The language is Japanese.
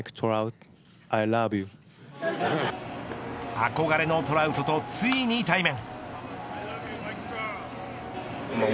憧れのトラウトとついに対面。